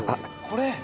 ・これ？